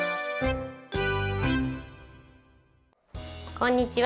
こんにちは。